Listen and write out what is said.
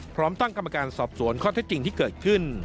พร้อมตั้งกรรมการสอบสวนข้อเท็จจริงที่เกิดขึ้น